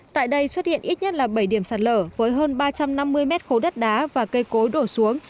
tại đây xuất hiện ít nhất là bảy điểm sạt lở với hơn ba trăm năm mươi mét khối đất đá và cây cối đổ xuống